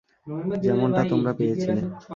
যেমনটা তোমরা পেয়েছিলে।